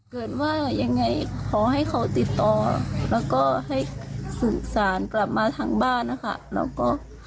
เกิดว่ายังไงขอให้เขาติดต่อแล้วก็ให้สื่อสารกลับมาทางบ้านนะคะแล้วก็